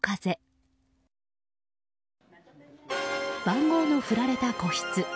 番号の振られた個室。